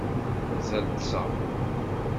Mazal ṭṭseɣ.